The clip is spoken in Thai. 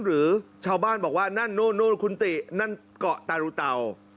หรือชาวบ้านบอกว่านั่นนู่นคุณตินั่นเกาะตารุเตา